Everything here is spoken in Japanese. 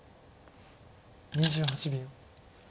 ２８秒。